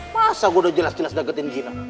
masa gue udah jelas jelas deketin gila